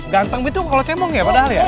ganteng gitu kalau cemong ya padahal ya